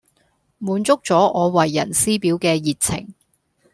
滿足咗我為人師表嘅熱情